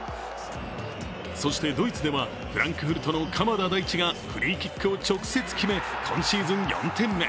そして、ドイツではフランクフルトの鎌田大地がフリーキックを直接決め今シーズン４点目。